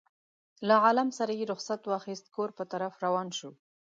له عالم نه یې رخصت واخیست کور په طرف روان شو.